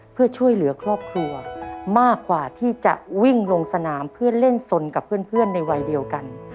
เพื่อช่วยเหลือครอบครัวมากกว่าที่จะวิ่งลงสนามเพื่อเล่นสนกับเพื่อนในวัยเดียวกัน